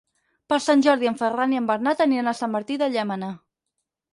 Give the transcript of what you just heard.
Per Sant Jordi en Ferran i en Bernat aniran a Sant Martí de Llémena.